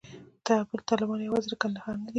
طالبان یوازې د کندهار نه دي.